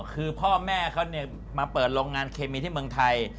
คือพ่อแม่เขามาเปิดโรงงานเคมีที่เมืองไทย